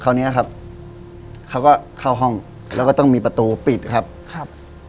เนี้ยครับเขาก็เข้าห้องแล้วก็ต้องมีประตูปิดครับครับ